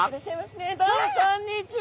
どうもこんにちは！